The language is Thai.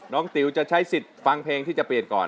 ติ๋วจะใช้สิทธิ์ฟังเพลงที่จะเปลี่ยนก่อน